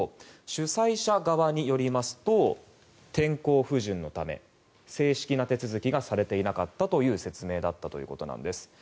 主催者側によりますと天候不順のため正式な手続きがされていなかったという説明だったということです。